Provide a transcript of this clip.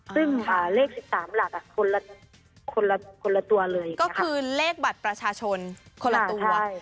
ซึ่งเลข๑๓หลักคนละตัวเลยก็คือเลขบัตรประชาชนคนละตัว